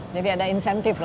jadi ada insentif lah